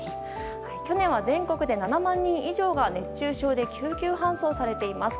去年は全国で７万人以上が熱中症で救急搬送されています。